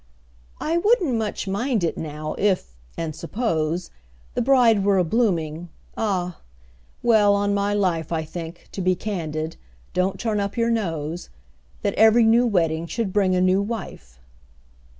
"I wouldn't much mind it, now—if—and suppose— The bride were a blooming—Ah! well—on my life, I think—to be candid—(don't turn up your nose!) That every new wedding should bring a new wife!"